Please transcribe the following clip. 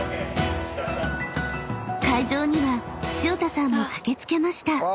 ［会場には潮田さんも駆け付けました］